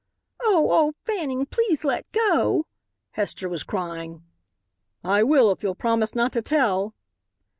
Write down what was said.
"Oh! oh! Fanning, please let go!" Hester was crying. "I will if you'll promise not to tell."